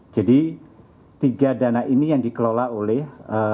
jadi tiga dana ini yang dikelola oleh